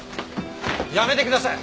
やめてください！